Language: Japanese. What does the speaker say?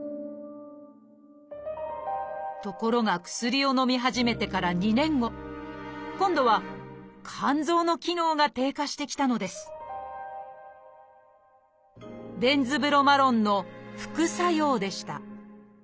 ところが薬をのみ始めてから２年後今度は肝臓の機能が低下してきたのです「ベンズブロマロン」の副作用でした。